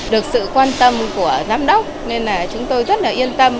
được sự quan tâm của giám đốc nên là chúng tôi rất là yên tâm